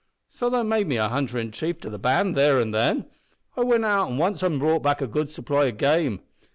So they made me hunter in chief to the band then an' there. I wint out at wance an' brought in a good supply o' game.